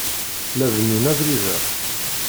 La bennun abrid-a.